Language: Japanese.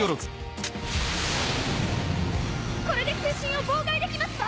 これで通信を妨害できますわ！